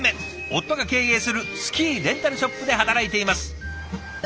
夫が経営するスキーレンタルショップで働いています。